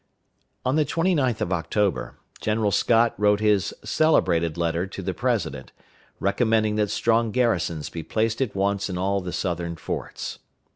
On the 29th of October, General Scott wrote his celebrated letter to the President, recommending that strong garrisons be placed at once in all the Southern forts.